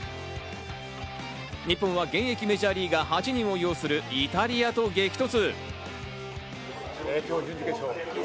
日本は現役メジャーリーガー８人を擁するイタリアと激突。